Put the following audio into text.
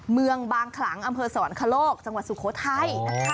เมืองบางขลังอำเภอสวรรคโลกจังหวัดสุโขทัยนะคะ